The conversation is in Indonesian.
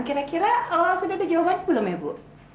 kira kira sudah ada jawaban belum ya bu